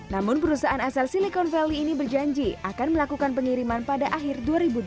namun perusahaan asal silicon valley ini berjanji akan melakukan pengiriman pada akhir dua ribu dua puluh